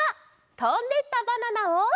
「とんでったバナナ」を。